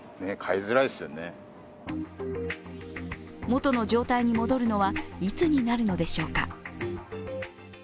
元の状態に戻るのはいつになるのでしょうか。